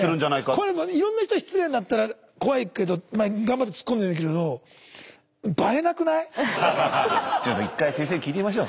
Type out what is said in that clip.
これもいろんな人に失礼になったら怖いけどまあ頑張ってツッコんでみるけれどちょっと一回先生に聞いてみましょう。